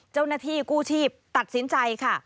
เจ้าหน้าที่กู้ชีพตัดสินใจค่ะ